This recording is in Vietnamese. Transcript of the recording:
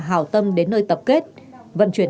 hảo tâm đến nơi tập kết vận chuyển